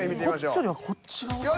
こっちよりはこっち側から来た。